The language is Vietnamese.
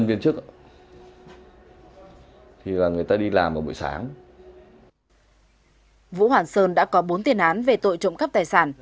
vũ hoàng sơn đã có bốn tiền án về tội trộm cắp tài sản